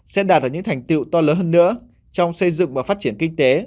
sẽ đạt được những thành tiệu to lớn hơn nữa trong xây dựng và phát triển kinh tế